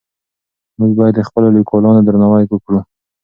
موږ باید د خپلو لیکوالانو درناوی وکړو.